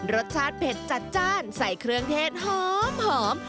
รสชาติเผ็ดจัดจ้านใส่เครื่องเทศหอม